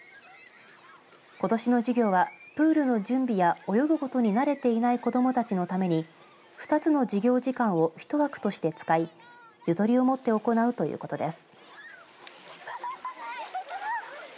ことしの授業はプールの準備や泳ぐことに慣れていない子どもたちのために２つの授業時間を１枠として使いゆとりをもって行うということです。